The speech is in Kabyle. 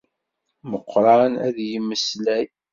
Meqqran ad d-yemmeslay.